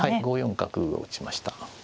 はい５四角を打ちました。